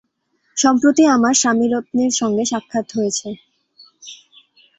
সম্প্রতি আমার স্বামিরত্নের সঙ্গে সাক্ষাৎ হয়েছে।